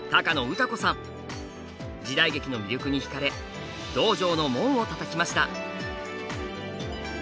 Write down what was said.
時代劇の魅力にひかれ道場の門をたたきました。